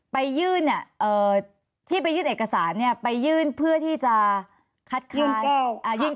ไปยื่นเอกสารเนี่ยไปยื่นเพื่อที่จะคัดคลาย